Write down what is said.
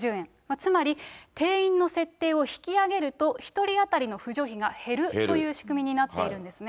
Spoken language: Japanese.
つまり、定員の設定を引き上げると、１人当たりの扶助費が減るという仕組みになっているんですね。